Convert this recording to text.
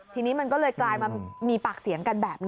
ทีนี้มันก็เลยกลายมามีปากเสียงกันแบบนี้